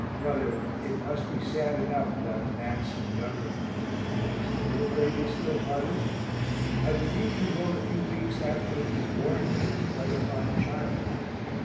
Mother, it must be sad enough about Nance and the young ones. Is the little baby still hearty? I believe you wrote a few weeks after it was born that it was quite a fine child.